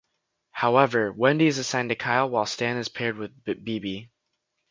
However, Wendy is assigned to Kyle while Stan is paired with Bebe.